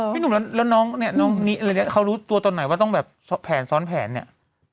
พี่หนุ่มแล้วน้องเนี่ยน้องนี้เขารู้ตัวตอนไหนว่าต้องแบบแผนซ้อนแผนเนี่ย